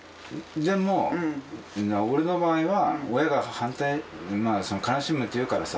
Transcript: でも俺の場合は親が反対まあ悲しむって言うからさ。